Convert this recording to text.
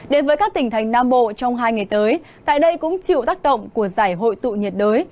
đến với các tỉnh thành nam bộ trong hai ngày tới tại đây cũng chịu tác động của giải hội tụ nhiệt đới